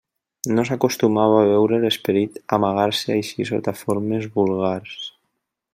No s'acostumava a veure l'esperit amagar-se així sota formes vulgars.